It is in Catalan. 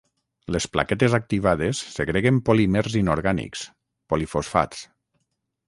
Les plaquetes activades segreguen polímers inorgànics, polifosfats.